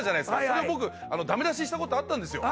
それを僕ダメ出ししたことあったんですよ